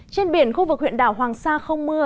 trên biển khu vực huyện đảo hoàng sa không mưa